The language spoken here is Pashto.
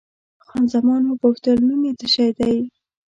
خان زمان وپوښتل، نوم یې څه شی دی؟